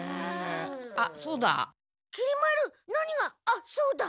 あっそうだ！